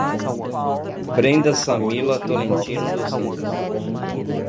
Brenda Samila Tolentino dos Santos